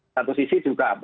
satu sisi juga